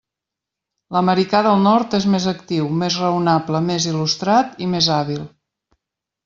L'americà del Nord és més actiu, més raonable, més il·lustrat i més hàbil.